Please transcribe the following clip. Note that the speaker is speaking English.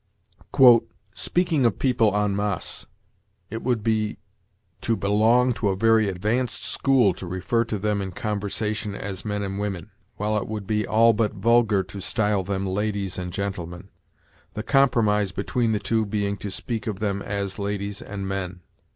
"Speaking of people en masse, it would be to belong to a very advanced school to refer to them in conversation as 'men and women,' while it would be all but vulgar to style them 'ladies and gentlemen,' the compromise between the two being to speak of them as 'ladies and men.'